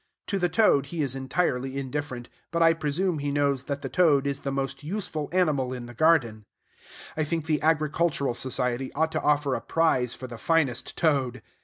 To the toad he is entirely indifferent; but I presume he knows that the toad is the most useful animal in the garden. I think the Agricultural Society ought to offer a prize for the finest toad.